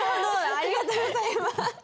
ありがとうございます。